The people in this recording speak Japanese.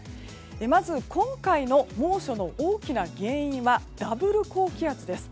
まず、今回の猛暑の大きな原因はダブル高気圧です。